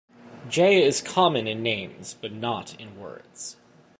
J is common in names but not in words